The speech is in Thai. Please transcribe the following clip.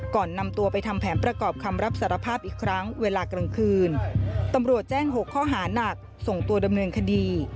ก่อนนำตัวไปทำแผนประกอบคำรับสารภาพอีกครั้งเวลากลางคืนตำรวจแจ้ง๖ข้อหานักส่งตัวดำเนินคดี